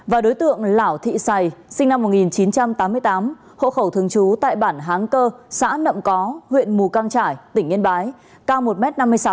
và đối tượng lão thị sày sinh năm một nghìn chín trăm tám mươi tám hộ khẩu thường trú tại bản háng cơ xã nậm có huyện mù căng trải tỉnh yên bái cao một m năm mươi sáu